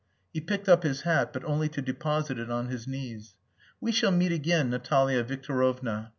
He picked up his hat, but only to deposit it on his knees. "We shall meet again, Natalia Victorovna.